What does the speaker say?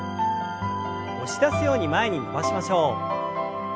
押し出すように前に伸ばしましょう。